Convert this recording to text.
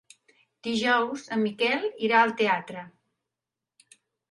Dijous en Miquel irà al teatre.